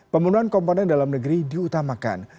pembunuhan komponen dalam negeri diutamakan